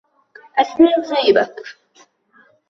أفرغ جيبك